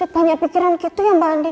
banyak pikiran gitu ya mba andien